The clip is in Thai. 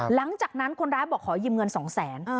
หลังจากนั้นคนร้ายบอกขอยืมเงิน๒แสน